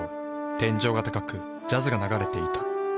天井が高くジャズが流れていた。